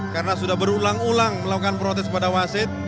karena sudah berulang ulang melakukan protes pada wasit